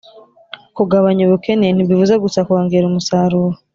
kugabanya ubukene ntibivuze gusa kongera umusaruro